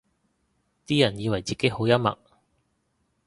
啲人以為自己好幽默